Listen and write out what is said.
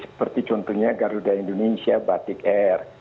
seperti contohnya garuda indonesia batik air